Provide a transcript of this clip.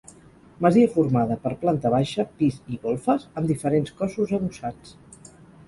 Masia formada per planta baixa, pis i golfes amb diferents cossos adossats.